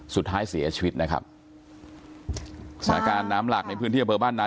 สุดท้ายเสียชีวิตนะครับสถานการณ์น้ำหลักในพื้นที่อำเภอบ้านนา